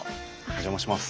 お邪魔します。